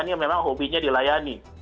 ini memang hobinya dilayani